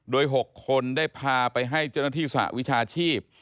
โดย๖คนได้พาไปให้เจ้าหน้าที่สหวิชาชีพ